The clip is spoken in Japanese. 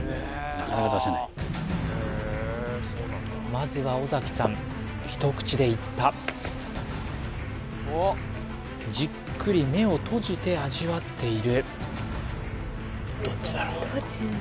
まずは尾崎さん一口でいったじっくり目を閉じて味わっているどっち？